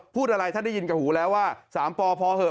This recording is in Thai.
พูดอะไรท่านได้ยินกับหูแล้วว่า๓ปอพอเหอะ